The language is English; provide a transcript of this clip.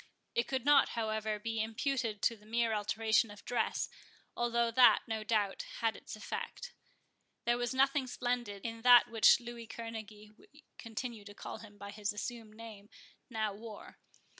It could not, however, be imputed to the mere alteration of dress, although that, no doubt, had its effect. There was nothing splendid in that which Louis Kerneguy (we continue to call him by his assumed name) now wore.